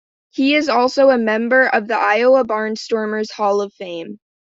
He is also a member of the Iowa Barnstormers Hall of Fame.